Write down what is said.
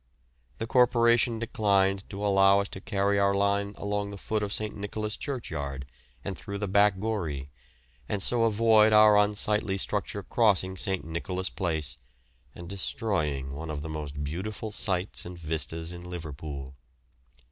The Corporation declined to allow us to carry our line along the foot of St. Nicholas' Churchyard and through the Back Goree, and so avoid our unsightly structure crossing St. Nicholas' Place and destroying one of the most beautiful sites and vistas in Liverpool.